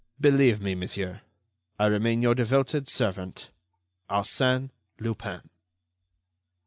"Believe me, monsieur, I remain your devoted servant, ARSÈNE LUPIN."